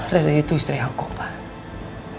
riri itu istri aku pak